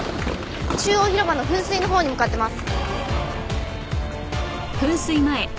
中央広場の噴水のほうに向かってます。